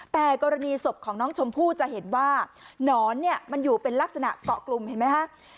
แต่กรณีศพของน้องชมพู่จะเห็นว่าหนอนเนี่ยมันอยู่เป็นลักษณะเกาะกลุ่มเห็นไหมฮะ